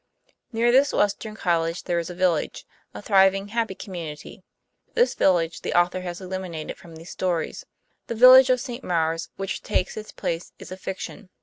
Near this Western college there is a village a thriving, happy community. This village the au thor has eliminated from these stories. The village of St. Maure's, which takes its place, is a fiction.